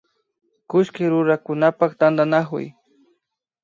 Kullki rurakunapak tantanakuy